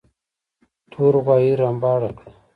تور غوايي رمباړه کړه.